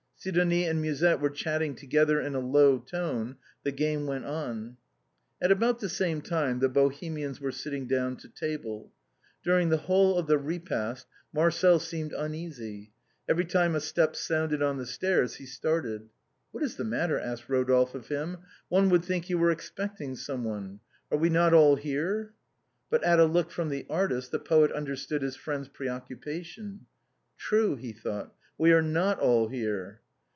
Sidonie and Musette were chatting together in a low tone. The game went on. At about the same time the Bohemians were sitting down to table. During the whole of the repast Marcel seemed uneasy. Every time a step sounded on the stairs he started. " What is the matter ?" asked Rodolphe of him ;" one would think you were expecting some one. Are we not all here?" But at a look from the artist the poet understood his friend's pre occupation. " True," he thought, " we are not all here."